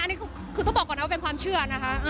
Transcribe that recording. อันนี้คือต้องบอกก่อนนะว่าเป็นความเชื่อนะคะ